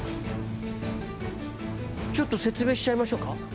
ちょっと説明しちゃいましょうか。